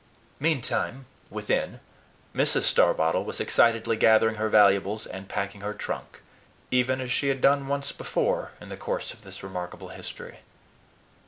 Meantime, within, Mrs. Starbottle was excitedly gathering her valuables and packing her trunk, even as she had done once before in the course of this remarkable history.